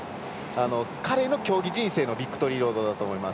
彼の競技人生のビクトリーロードだと思います。